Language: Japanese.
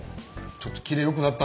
ちょっとキレよくなった。